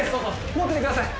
持っててください